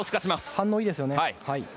反応いいですね。